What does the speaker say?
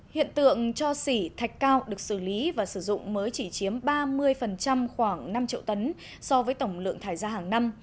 hiện tượng cho xỉ thạch cao được xử lý và sử dụng mới chỉ chiếm ba mươi khoảng năm triệu tấn so với tổng lượng thải ra hàng năm